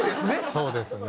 そうですね。